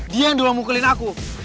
dia yang dua mukulin aku